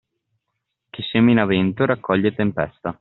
Chi semina vento raccoglie tempesta.